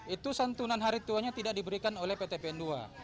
itu santunan hari tuanya tidak diberikan oleh pt pn ii